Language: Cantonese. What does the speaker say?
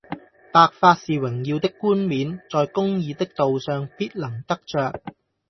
白髮是榮耀的冠冕，在公義的道上必能得著